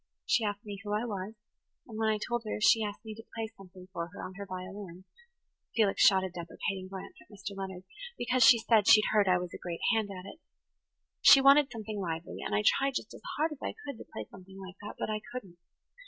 She asked me who I was, and when I told her she asked me to play something for her on her violin,"–Felix shot a deprecating glance at Mr. Leonard–"because, she said, she'd heard I was a great hand at it. She wanted something lively, and I tried just as hard as I could to play something like that. But I couldn't.